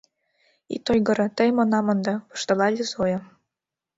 — Ит ойгыро, тыйым она мондо! — воштылале Зоя.